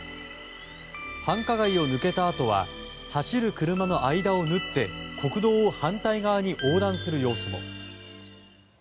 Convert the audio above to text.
繁華街を抜けたあとは走る車の間を縫って国道を反対側に横断する様子も。